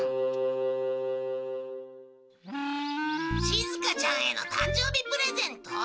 しずかちゃんへの誕生日プレゼント？